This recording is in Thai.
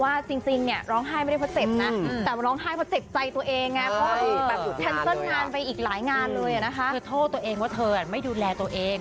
ว่าจริงนี่ร้องไห้ไม่เพราะเจ็บนะแต่มันร้องไห้เพราะเจ็บใจตัวเอง